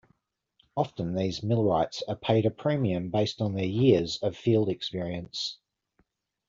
Often, these millwrights are paid a premium based on their years of field experience.